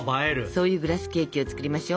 そういうグラスケーキを作りましょ。